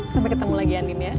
sampai ketemu lagi andin ya